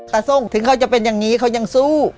ส้มถึงเขาจะเป็นอย่างนี้เขายังสู้